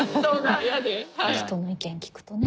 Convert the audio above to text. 人の意見聞くとね。